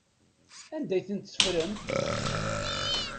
Anda ay tent-teffremt?